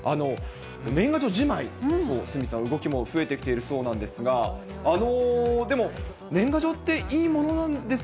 年賀状じまい、鷲見さん、動きも増えてきているそうなんですが、でも、年賀状っていいもの